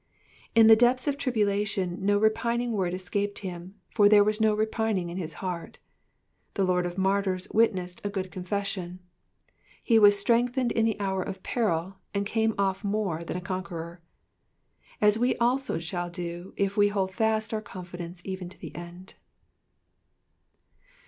In the depths of tribulation no repining word escaped him. for there was no repining in his heart. The Lord of martyrs witnessed a good confession. He was strengthened in the hour of peril, and came off more than a conqueror, as we also shall do, if we hold fast our con fidence even to the end.